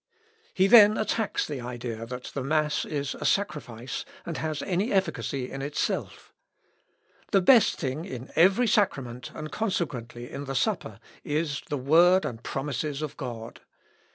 He then attacks the idea that the mass is a sacrifice, and has any efficacy in itself. "The best thing in every sacrament, and consequently in the Supper, is the word and promises of God.